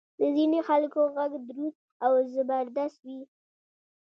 د ځینې خلکو ږغ دروند او زبردست وي.